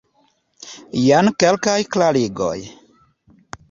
Jen kelkaj klarigoj.